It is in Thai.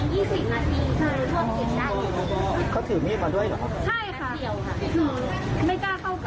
วิ่งมาวิ่งมาช้าค่ะ